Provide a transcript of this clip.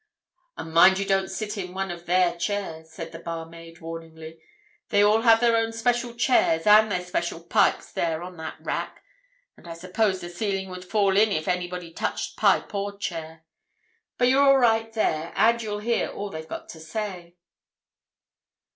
"And mind you don't sit in one of their chairs," said the barmaid, warningly. "They all have their own special chairs and their special pipes there on that rack, and I suppose the ceiling would fall in if anybody touched pipe or chair. But you're all right there, and you'll hear all they've got to say."